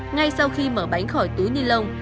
ngay sau khi mở bánh khỏi túi nilon